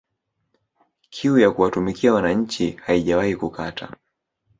Kiu ya kuwatumikia wananchi haijawahi kukata